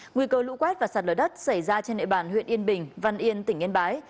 nguy cơ lũ quét và sạt lở đất xảy ra trên địa bàn huyện yên bình văn yên tỉnh yên bái